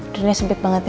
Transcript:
dunia sempit banget ya